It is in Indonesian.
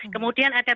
kemudian ada tambahan